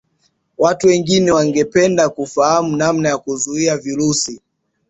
watu wengi wangependa kufahamu namna ya kuzuia virusi